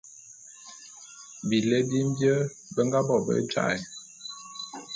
Bilé bi mbie be nga bo be jaé'.